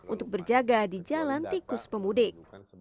untuk berjaga di jalan tikus pemudik